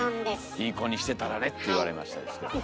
「いい子にしてたらね」って言われましたですけれども。